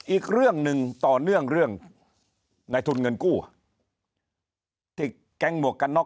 อีกเรื่องนึงต่อเนื่องเรื่อง